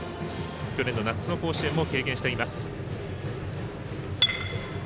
去年の夏の甲子園も経験しています。